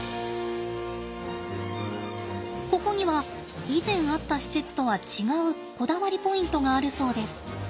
ここには以前あった施設とは違うこだわりポイントがあるそうです。